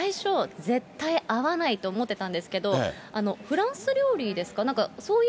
これ、最初、絶対合わないと思ってたんですけど、フランス料理ですか？